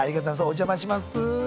お邪魔します。